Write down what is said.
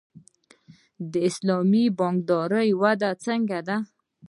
د اسلامي بانکدارۍ وده څنګه ده؟